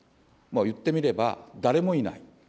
いってみれば誰もいない。